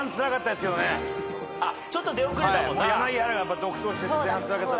ちょっと出遅れたもんな。